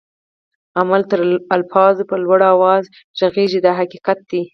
عمل تر الفاظو په لوړ آواز ږغيږي دا حقیقت دی.